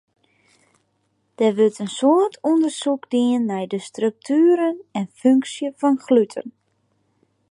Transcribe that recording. Der wurdt in soad ûndersyk dien nei de struktueren en funksje fan gluten.